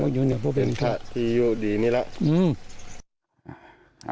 อันนี้ครับที่อยู่ดีนี่แหละ